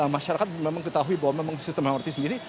masyarakat memang ketahui bahwa memang sistem mrt sendiri